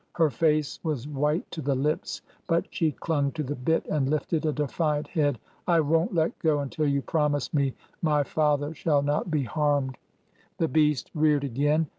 " Her face was white to the lips, but she clung to the bit and lifted a defiant head. I won't let go ! until you promise me my father shall not be harmed !" The beast reared again.